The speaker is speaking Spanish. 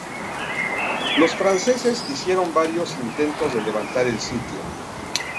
Los franceses hicieron varios intentos de levantar el sitio.